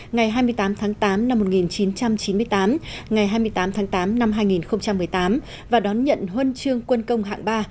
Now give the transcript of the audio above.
ngày hai mươi tám tháng tám năm một nghìn chín trăm chín mươi tám ngày hai mươi tám tháng tám năm hai nghìn một mươi tám và đón nhận huân chương quân công hạng ba